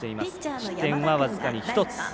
失点は僅かに１つ。